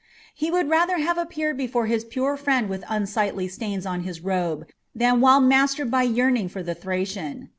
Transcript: He would rather have appeared before his pure friend with unsightly stains on his robe than while mastered by yearning for the Thracian.